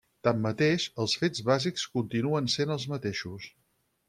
Tanmateix, els fets bàsics continuen sent els mateixos.